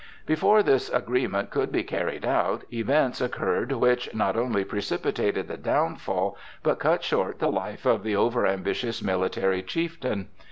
Before this agreement could be carried out, events occurred which not only precipitated the downfall, but cut short the life of the over ambitious military chieftain.